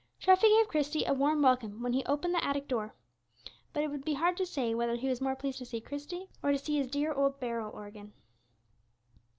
Treffy gave Christie a warm welcome when he opened the attic door; but it would be hard to say whether he was more pleased to see Christie, or to see his dear old barrel organ.